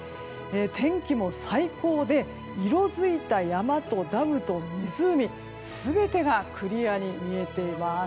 天気も最高で色づいた山とダムと湖全てがクリアに見えています。